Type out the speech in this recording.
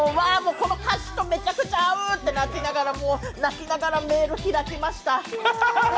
この歌詞とめちゃくちゃ合う！ってなって泣きながらメール開きました。